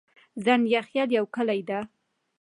ځنډيخيل يو کلي ده